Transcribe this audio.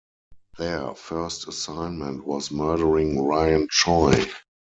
Their first assignment was murdering Ryan Choi.